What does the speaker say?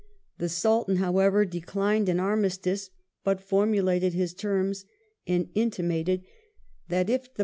The Sultan, however, declined an armistice, but formulated his terms, and intimated that if the ^ September 2i8t, 1876.